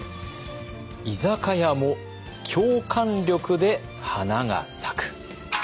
「居酒屋も共感力で花が咲く」。